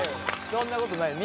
そんなことないよ。